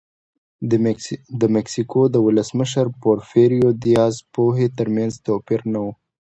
د مکسیکو د ولسمشر پورفیرو دیاز پوهې ترمنځ توپیر نه و.